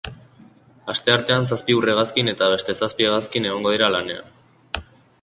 Asteartean zazpi ur-hegazkin eta beste zazpi hegazkin egongo dira lanean.